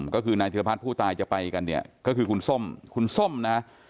ก็คือนายธิรพัฒน์ผู้ตายจะไปกันเนี่ยก็คือคุณส้มคุณส้มนะ